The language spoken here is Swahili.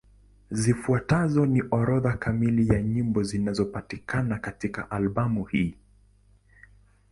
Zifuatazo ni orodha kamili ya nyimbo zinapatikana katika albamu hii.